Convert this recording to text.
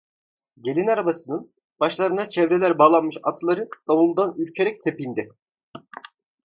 Gelin arabasının, başlarına çevreler bağlanmış atları davuldan ürkerek tepindi.